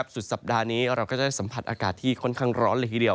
สุดสัปดาห์นี้เราก็จะสัมผัสอากาศที่ค่อนข้างร้อนเลยทีเดียว